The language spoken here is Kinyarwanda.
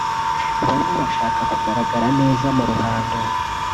bamwe bashaka kugaragara neza mu ruhando